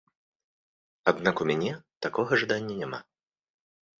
Аднак у мяне такога жадання няма.